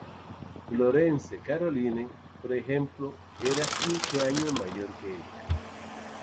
Florence Caroline, por ejemplo, era quince años mayor que ella.